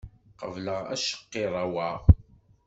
Qebleɣ acqirrew-a!